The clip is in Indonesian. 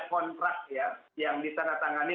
kontras ya yang disana tangani